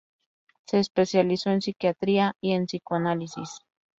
Se especializó en psiquiatría y en psicoanálisis.